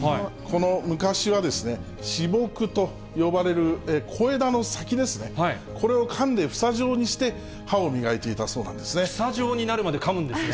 昔は、歯木と呼ばれる小枝の先ですね、これをかんで房状にして、歯を磨房状になるまでかむんですね。